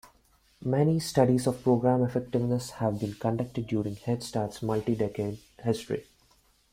Many studies of program effectiveness have been conducted during Head Start's multi-decade history.